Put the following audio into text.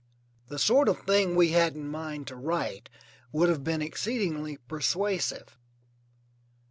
The sort of thing we had in mind to write would have been exceedingly persuasive.